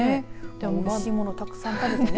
おいしいものたくさん食べてね。